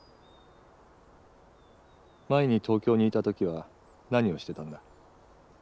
前に東京にいた時は何をしてたんだ。